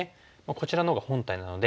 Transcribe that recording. こちらのほうが本体なので。